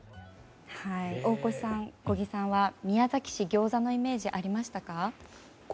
大越さん、小木さんは宮崎市、ギョーザのイメージはありましたか？